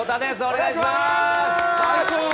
お願いします！